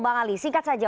bang ali singkat saja